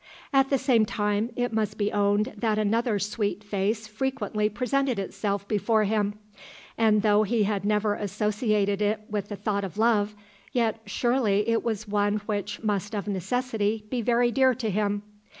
At the same time it must be owned that another sweet face frequently presented itself before him, and though he had never associated it with the thought of love, yet surely it was one which must of necessity be very dear to him.